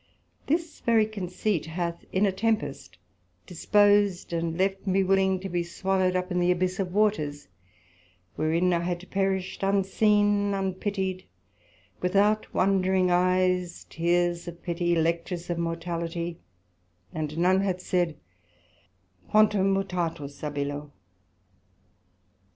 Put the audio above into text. This very conceit hath in a tempest disposed and left me willing to be swallowed up in the abyss of waters; wherein I had perished unseen, unpityed, without wondering eyes, tears of pity, Lectures of mortality, and none had said, Quantum mutatus ab illo!